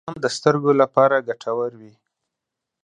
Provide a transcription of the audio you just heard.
• بادام د سترګو لپاره ګټور وي.